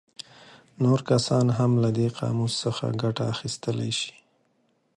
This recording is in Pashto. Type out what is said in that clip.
نور کسان هم له دې قاموس څخه ګټه اخیستلی شي.